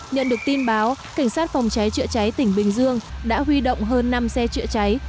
nhận được tin báo cảnh sát phòng cháy chữa cháy tỉnh bình dương đã huy động hơn năm xe chữa cháy